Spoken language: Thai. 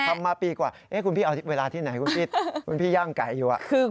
ทำมาปีกว่าคุณพี่เอาเวลาที่ไหนคุณพี่คุณพี่ย่างไก่อยู่